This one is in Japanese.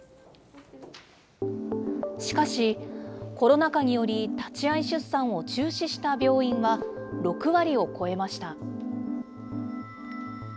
しかし、コロナ禍により、立ち会い出産を中止した病院は６割を超えました。